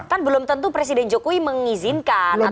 kan belum tentu presiden jokowi mengizinkan atau memerestui